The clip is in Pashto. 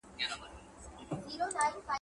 ټولنه له افراطي افکارو څخه د خلاصون هڅه کوي.